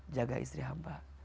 jaga istri hamba